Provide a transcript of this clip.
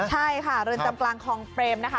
ใช่ค่ะเรือนจำกลางคลองเปรมนะคะ